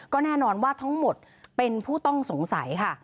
ก็แน่นอนว่าทั้งหมดเป็นผู้ต้องสงสัยค่ะ